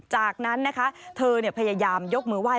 จากนั้นนะคะเธอพยายามยกมือไห้